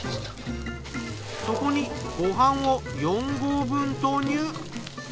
そこにご飯を４合分投入。